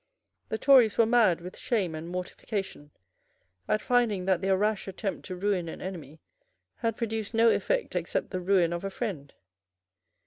The Tories were mad with shame and mortification, at finding that their rash attempt to ruin an enemy had produced no effect except the ruin of a friend.